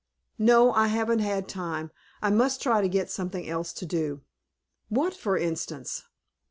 "No, I haven't had time. I must try to get something else to do." "What, for instance?"